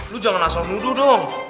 lo jangan asal nuduh dong